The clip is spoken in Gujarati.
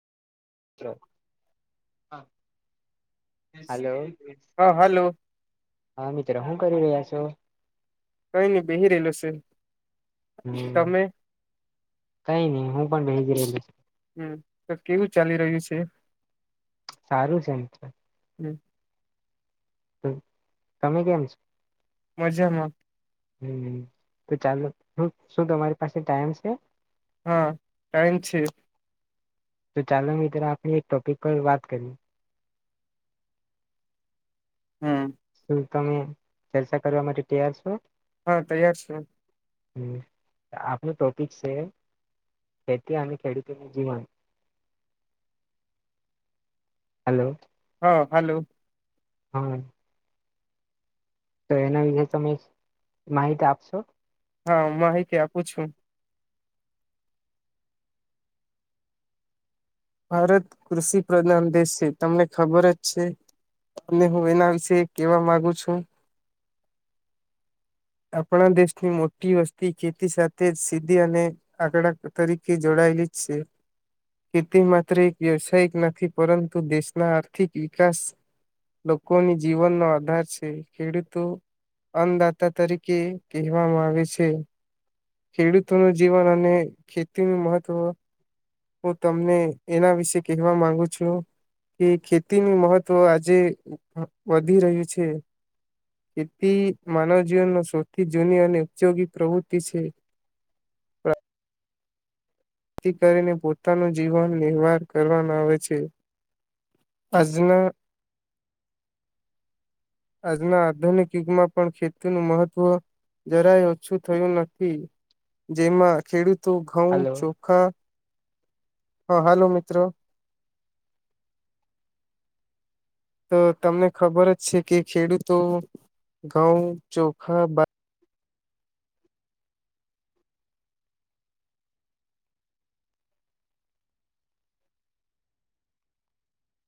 હલો હા હાલો હ મિત્રો શું કરી રહ્યા છો કઈ નહી બેહી રહેલો સે હમ કઈ નહી હું પણ બેહી જ રહેલ હમ તો કેવું ચાલી રહ્યું છે સારું છે એમ તો હમ હમ તમે કેમ છો મજામાં હમ તો ચાલો શું શું તમારી પાસે ટાઈમ છે હા ટાઈમ છે તો ચાલો મિત્રો આપણે એક ટોપિક પર વાત કરીએ હમ શું તમે ચર્ચા કરવા માટે તૈયાર છો હા તૈયાર છું હ આપનો ટોપિક છે ખેતી અને ખેડૂતોનું જીવન હલો હા હાલો હમ તો એના વિશેે તમે માહિતી આપશો હા માહિતી આપું છું ભારત કૃષિ પ્રધાન દેશ છે તમને ખબર જ છે અને હું એના વિશે કેવા માંગુ છું આપણા દેશની મોટી વસ્તી ખેતી સાથે જ સીધી અને આકડા તરીકે જોડાયેલી જ છે ખેતી માત્ર એક વ્યવસાયિક નથી પરંતુ દેશના આર્થિક વિકાસ લોકોની જીવનનો આધાર છે ખેડૂતો અંધ દાખલા તરીકે કહેવામાં આવે છે ખેડૂતો ન જીવન અને ખેતીનું મહત્વ હું તમને એના વિશે કહેવા માંગુ છું કે ખેતીનું મહત્વ આજે વધી રહ્યું છે ખેતી માનવ જીવનમાં સૌથી જૂની અને ઉપયોગી પ્રવૃત્તિ છે જેથી કરીને પોતાનું જીવન નિર્વાહર કરવામાં આવે છે અજ ના આજના આધુનિક યુગમાં પણ ખેતી નુ મહત્વ જરાય ઓછું થયું નથી જેમાં ખેડૂત તું ઘઉં હલો ચોખા હા હાલો મિત્રો તો તમને ખબર જ છે કે ખેડૂતો ઘઉ ચોખા બા